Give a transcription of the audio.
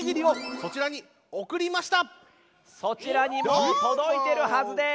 そちらにもうとどいてるはずです！